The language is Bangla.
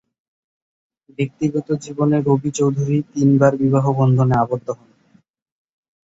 ব্যক্তিগত জীবনে রবি চৌধুরী তিনবার বিবাহ বন্ধনে আবদ্ধ হন।